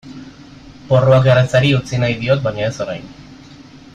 Porruak erretzeari utzi nahi diot baina ez orain.